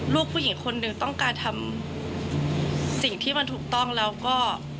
ลูกผู้หญิงคนหนึ่งต้องการทำสิ่งที่มันถูกต้องแล้วก็